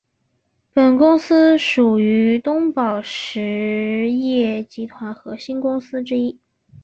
本公司属于东宝实业集团核心公司之一。